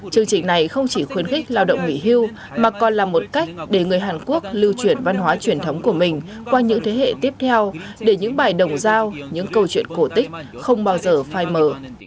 chương trình này không chỉ khuyến khích lao động nghỉ hưu mà còn là một cách để người hàn quốc lưu chuyển văn hóa truyền thống của mình qua những thế hệ tiếp theo để những bài đồng giao những câu chuyện cổ tích không bao giờ phai mờ